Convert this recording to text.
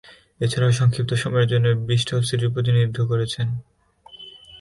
এছাড়াও, সংক্ষিপ্ত সময়ের জন্য ব্রিস্টল সিটির প্রতিনিধিত্ব করেছেন।